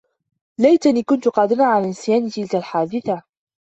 ليتني كنت قادرا على نسيان تلك الحادثة.